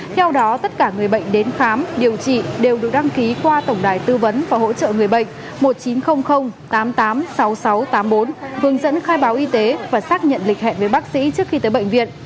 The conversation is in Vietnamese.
theo đó tất cả người bệnh đến khám điều trị đều được đăng ký qua tổng đài tư vấn và hỗ trợ người bệnh một chín không không tám tám sáu sáu tám bốn hướng dẫn khai báo y tế và xác nhận lịch hẹn với bác sĩ trước khi tới bệnh viện